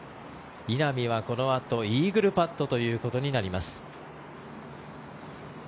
稲見はこのあとイーグルパットということになります。